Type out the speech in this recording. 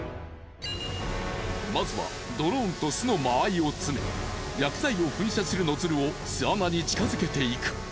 まずはドローンと巣の間合いを詰め薬剤を噴射するノズルを巣穴に近づけていく。